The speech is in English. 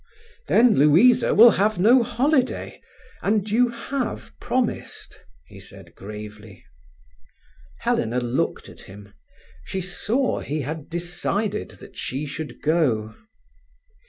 "Then Louisa will have no holiday—and you have promised," he said gravely. Helena looked at him. She saw he had decided that she should go.